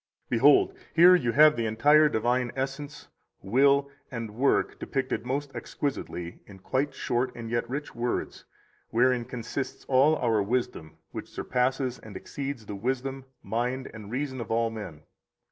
63 Behold, here you have the entire divine essence, will, and work depicted most exquisitely in quite short and yet rich words, wherein consists all our wisdom, which surpasses and exceeds the wisdom, mind, and reason of all men.